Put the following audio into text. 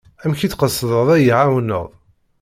Amek i d-tqesdeḍ ad yi-εawneḍ?